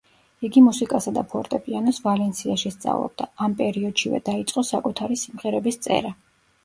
იგი მუსიკასა და ფორტეპიანოს ვალენსიაში სწავლობდა; ამ პერიოდშივე დაიწყო საკუთარი სიმღერების წერა.